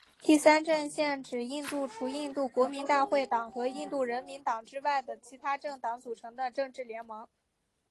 第三阵线指印度除印度国民大会党和印度人民党之外的其它政党组成的政治联盟。